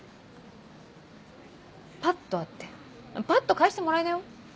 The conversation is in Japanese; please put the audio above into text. パッと会ってパッと返してもらいなよ。